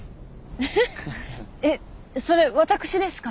ヘヘッえっそれ私ですか？